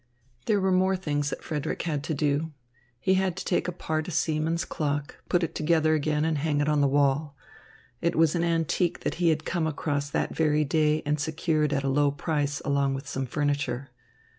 There were more things that Frederick had to do. He had to take apart a seaman's clock, put it together again and hang it on the wall. It was an antique that he had come across that very day and secured at a low price along with some furniture.